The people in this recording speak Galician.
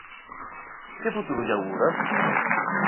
Que futuro lle augura?